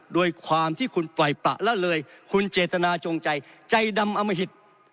ด้วยความที่คุณปล่อยประละเลยคุณเจตนาจงใจใจดำอมหิต